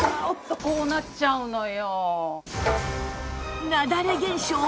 こうなっちゃうのよ。